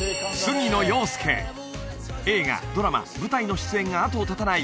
映画ドラマ舞台の出演が後を絶たない